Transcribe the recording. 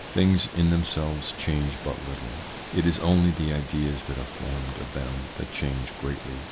Things in themselves change but little. It is only the ideas that are formed of them that change greatly.